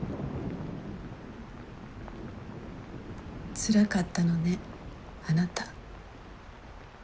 つらかったのねあなた。